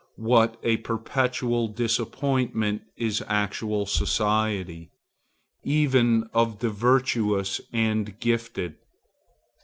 What a perpetual disappointment is actual society, even of the virtuous and gifted!